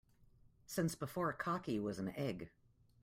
Since before cocky was an egg.